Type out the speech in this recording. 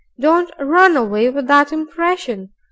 Don't run away with that impression.